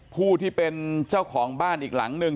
ผู้ที่เป็นเจ้าของบ้านอีกหลังหนึ่ง